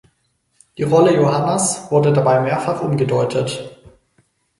Die Rolle Johannas wurde dabei mehrfach umgedeutet.